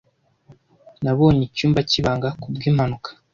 Nabonye icyumba cyibanga kubwimpanuka.